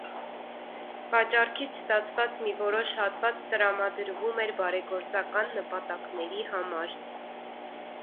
Վաճառքից ստացված մի որոշ հատված տրամադրվում էր բարեգործական նպատակների համար։